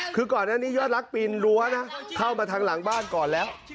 คือก่อนอันนี้ยอดรักปีนรั้วนะเข้ามาทางหลังบ้านก่อนแล้ว